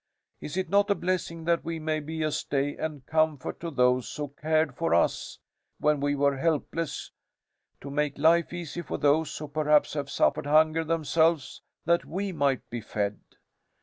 "Is it not a blessing that we may be a stay and comfort to those who cared for us when we were helpless, to make life easy for those who perhaps have suffered hunger themselves that we might be fed?